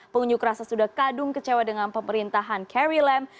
pengunjuk rasa sudah kadung kecewa dengan pemerintahan carry lam